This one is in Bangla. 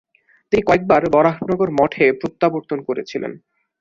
তিনি কয়েকবার বরাহনগর মঠে প্রত্যাবর্তন করেছিলেন।